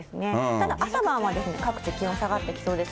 ただ朝晩は各地、気温下がってきそうです。